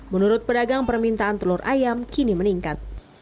menurut pedagang permintaan telur ayam kini meningkat